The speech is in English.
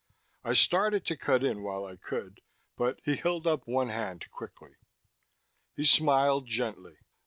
I started to cut in while I could, but he held up one hand quickly. He smiled gently.